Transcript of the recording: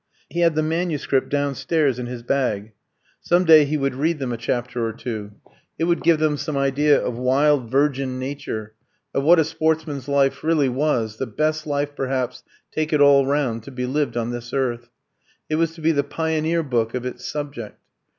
He had the manuscript downstairs in his bag. Some day he would read them a chapter or two; it would give them some idea of wild virgin Nature, of what a sportsman's life really was the best life, perhaps, take it all round, to be lived on this earth; it was to be the Pioneer book of its subject.